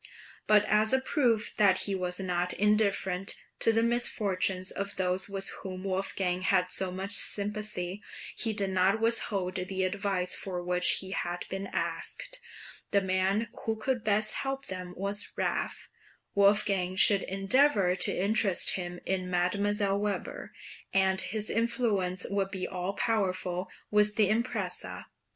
But as a proof that he was not indifferent to the misfortunes of those with whom Wolfgang had so much sympathy, he did not withhold the advice for which he had been asked. The man {WOLFGANG'S FILIAL SUBMISSION.} (427) who could best help them was Raaff; Wolfgang should endeavour to interest him in Mdlle. Weber, and his influence would be all powerful with the impresaii.